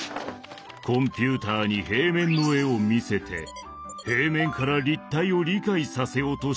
コンピューターに平面の絵を見せて平面から立体を理解させようとしたのです。